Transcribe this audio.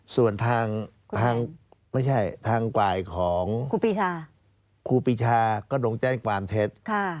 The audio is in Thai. ส่วนทางกว่ายของครูปิชาก็โดนแจ้งความเท็จ